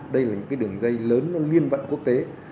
đây là những đường dây lớn liên vận quốc tế